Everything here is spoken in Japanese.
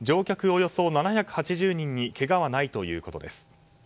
およそ７８０人にけがはないということです。